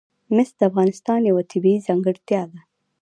مس د افغانستان یوه طبیعي ځانګړتیا ده.